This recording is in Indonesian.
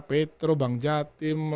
petro bang jatim